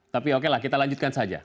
tapi oke lah kita lanjutkan saja